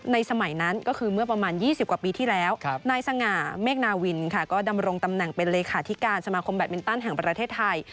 สมัยนั้นก็คือเมื่อประมาณ๒๐กว่าปีที่แล้วนายสง่าเมฆนาวินค่ะก็ดำรงตำแหน่งเป็นเลขาธิการสมาคมแบตมินตันแห่งประเทศไทย